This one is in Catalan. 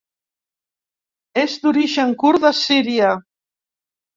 És d'origen kurd de Síria.